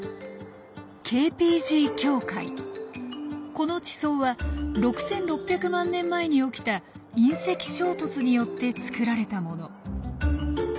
この地層は６６００万年前に起きた隕石衝突によって作られたもの。